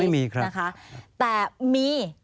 ไม่มีนะคะแต่มี